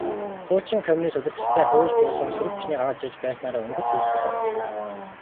Хуучин коммунист удирдагчдаа хөөж буулган, сөрөг хүчнийг гаргаж ирж байснаараа «Өнгөт хувьсгал» онцлог.